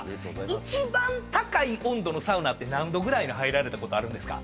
一番高い温度のサウナって何度の入ったことあるんですか？